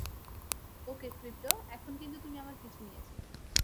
ওকে, crypto, এখন কিন্তু তুমি আমার পিছু নিয়েছ।